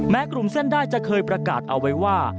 กลุ่มเส้นได้จะเคยประกาศเอาไว้ว่า